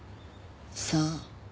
さあ。